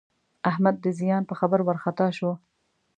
احمد د زیان په خبر وارخطا شو.